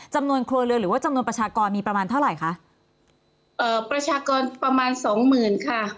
จำนวนครัวเรือนหรือว่าจำนวนประชากรมีประมาณเท่าไหร่คะเอ่อประชากรประมาณสองหมื่นค่ะ